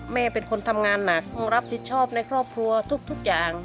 แม่เป็นคนทำงานหนักต้องรับผิดชอบในครอบครัวทุกอย่าง